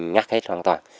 ngắt hết hoàn toàn